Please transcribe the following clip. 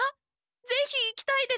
ぜひ行きたいです！